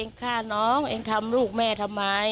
เอ็งฆ่าน้องทำลูกแม่ทำไม